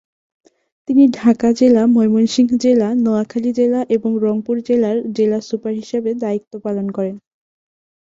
তিনি ঢাকা জেলা, ময়মনসিংহ জেলা, নোয়াখালী জেলা, এবং রংপুর জেলার জেলা পুলিশ সুপার হিসাবে দায়িত্ব পালন করেন।